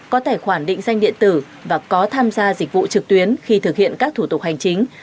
có tài khoản định danh điện tử và có tham gia dịch vụ trực tuyến khi thực hiện các thủ tục hành chính